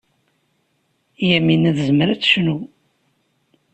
Yamina tezmer ad tecnu.